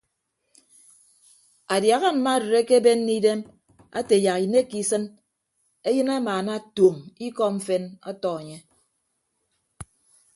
Adiaha mma arịd akebenne idem ate yak inekke isịn eyịn amaana tuoñ ikọ mfen ọtọ enye.